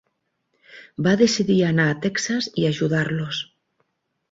Va decidir anar a Texas i ajudar-los.